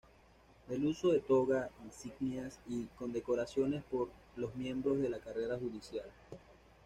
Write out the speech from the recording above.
Del uso de toga, insignias y condecoraciones por los miembros de la Carrera Judicial.